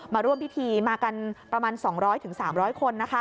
มาร่วมพิธีมากันประมาณ๒๐๐๓๐๐คน